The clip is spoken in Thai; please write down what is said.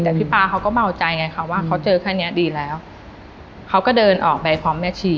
แต่พี่ป๊าเขาก็เมาใจไงค่ะว่าเขาเจอแค่เนี้ยดีแล้วเขาก็เดินออกไปพร้อมแม่ชี